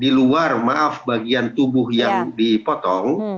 di luar maaf bagian tubuh yang dipotong